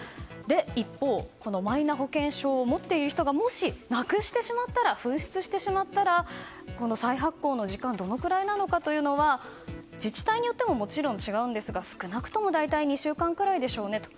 一方、マイナ保険証を持っている人がもし紛失してしまったら再発行の時間はどれくらいなのかということは自治体によっても違うんですが少なくとも大体２週間くらいでしょうねと。